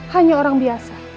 hanya orang biasa